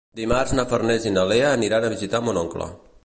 Dimarts na Farners i na Lea aniran a visitar mon oncle.